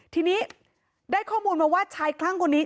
ทีนี้ได้ข้อมูลมาว่าชายคลั่งคนนี้